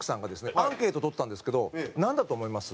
アンケート取ったんですけどなんだと思います？